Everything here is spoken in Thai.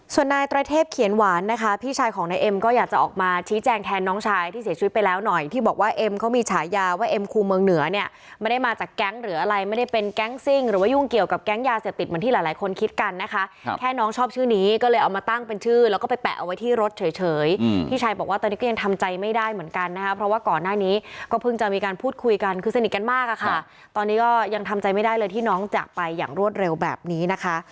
ส่วนนายตรายเทพเขียนหวานนะคะพี่ชายของนายเอ็มก็อยากจะออกมาชี้แจงแทนน้องชายที่เสียชุดไปแล้วหน่อยที่บอกว่าเอ็มเขามีฉายาว่าเอ็มครูเมืองเหนือเนี่ยไม่ได้มาจากแก๊งหรืออะไรไม่ได้เป็นแก๊งซิ่งหรือว่ายุ่งเกี่ยวกับแก๊งยาเสียติดเหมือนที่หลายคนคิดกันนะคะแค่น้องชอบชื่อนี้ก็เลยเอามาตั้งเป็นชื่อแล้วก็ไปแปะเอาไว้ที่